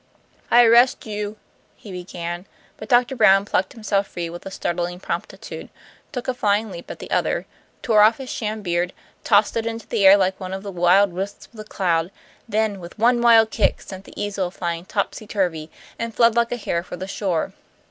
"I arrest you " he began; but Doctor Brown plucked himself free with startling promptitude, took a flying leap at the other, tore off his sham beard, tossing it into the air like one of the wild wisps of the cloud; then, with one wild kick, sent the easel flying topsy turvy, and fled like a hare for the shore.